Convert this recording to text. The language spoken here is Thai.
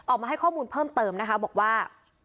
ออกมาให้ข้อมูลเพิ่มเติมนะคะบอกว่า